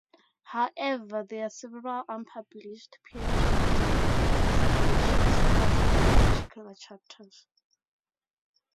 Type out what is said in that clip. However, there are several unpublished PhD dissertations translating particular chapters.